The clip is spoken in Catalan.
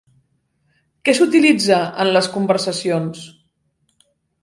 Què s'utilitza en les conversacions?